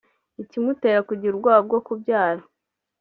Ikimutera kugira ubwoba bwo kubyara